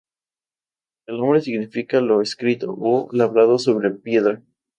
El nombre significa lo escrito ó labrado sobre piedra.